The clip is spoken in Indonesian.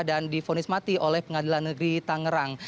dan difonis mati oleh pengadilan negeri tangerang